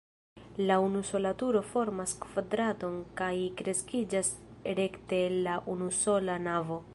La unusola turo formas kvadraton kaj kreskiĝas rekte el la unusola navo.